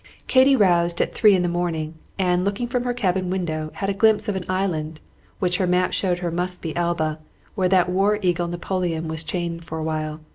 Katy roused at three in the morning, and looking from her cabin window had a glimpse of an island, which her map showed her must be Elba, where that war eagle Napoleon was chained for a while.